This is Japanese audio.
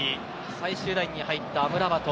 最終ラインに入ったアムラバト。